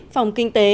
phòng kinh tế